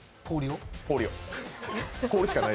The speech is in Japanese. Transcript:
氷を？